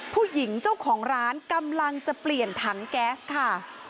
ผู้หญิงเจ้าของร้านกำลังจะเปลี่ยนถังแก๊สค่ะ